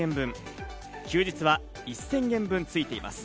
休日は１０００円分ついています。